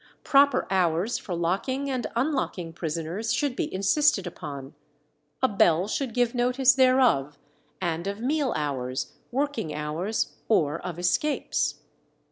Proper hours for locking and unlocking prisoners should be insisted upon; a bell should give notice thereof, and of meal hours, working hours, or of escapes.